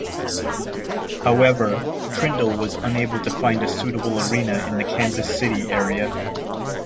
However, Trindle was unable to find a suitable arena in the Kansas City area.